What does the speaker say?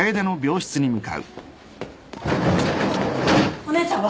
お姉ちゃんは！？